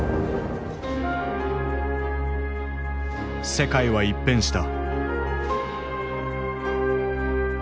世界は一変した。